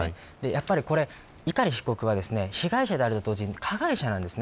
やっぱり碇被告は、被害者であると同時に加害者です。